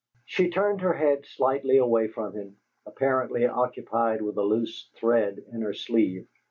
She turned her head slightly away from him, apparently occupied with a loose thread in her sleeve.